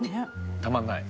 たまんない。